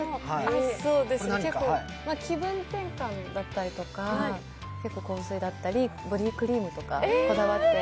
気分転換だったりとか、香水だったりボディクリームだったりこだわって。